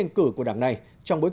xin chào và hẹn gặp lại